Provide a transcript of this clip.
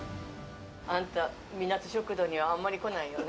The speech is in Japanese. あんた、みなと食堂にはあんまり来ないよね。